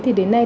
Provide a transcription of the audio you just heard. thì đến nay